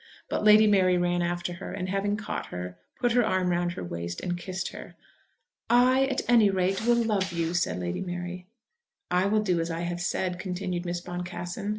But Lady Mary ran after her, and having caught her, put her arm round her waist and kissed her. "I at any rate will love you," said Lady Mary. "I will do as I have said," continued Miss Boncassen.